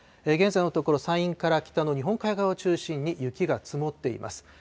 現在のところ、山陰から北の日本海側を中心に雪が積もっています。